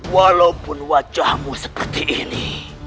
walaupun wajahmu seperti ini